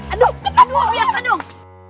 aduh kena gue biasa dong